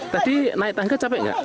tadi naik tangga capek nggak